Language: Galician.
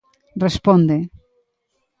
Responde.